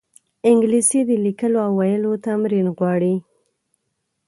انګلیسي د لیکلو او ویلو تمرین غواړي